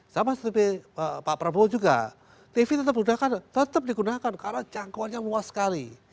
sama seperti pak prabowo juga tv tetap digunakan karena jangkauannya luas sekali